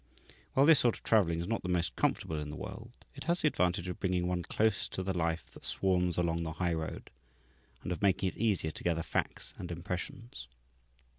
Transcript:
While this sort of travelling is not the most comfortable in the world, it has the advantage of bringing one close to the life that swarms along the highroad, and of making it easier to gather facts and impressions.